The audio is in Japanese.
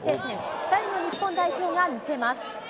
２人の日本代表が見せます。